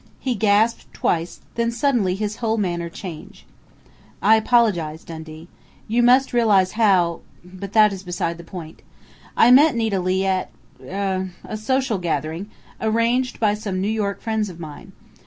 He gasped twice, then suddenly his whole manner changed. "I apologize, Dundee. You must realize how But that is beside the point. I met Nita Leigh at er at a social gathering, arranged by some New York friends of mine.